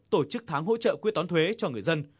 tổ chức tháng hỗ trợ quyết toán thuế cho người dân